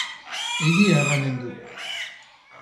Egia erranen du.